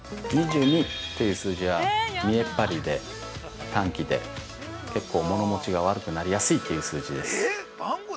２２っていう数字は見えっ張りで、短気で結構、物もちが悪くなりやすいという数字です。